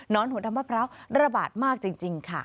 หัวดำมะพร้าวระบาดมากจริงค่ะ